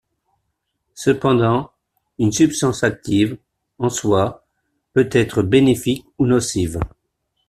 Cependant, une substance active, en soi, peut être bénéfique ou nocive.